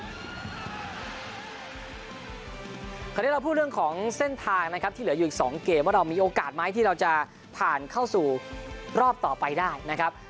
คราวนี้เราพูดเรื่องของเส้นทางนะครับที่เหลืออยู่อีก๒เกมว่าเรามีโอกาสไหมที่เราจะผ่านเข้าสู่รอบต่อไปได้นะครับ